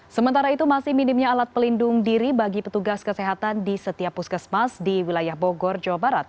sementara itu masih minimnya alat pelindung diri bagi petugas kesehatan di setiap puskesmas di wilayah bogor jawa barat